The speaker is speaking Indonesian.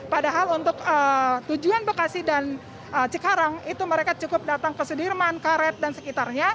padahal untuk tujuan bekasi dan cikarang itu mereka cukup datang ke sudirman karet dan sekitarnya